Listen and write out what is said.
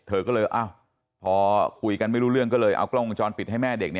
เธอก็เลยพอคุยกันไม่รู้เรื่องก็เลยเอากล้องวงจรปิดให้แม่เด็ก